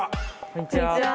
こんにちは。